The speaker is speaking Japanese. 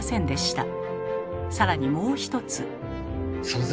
更にもう一つ。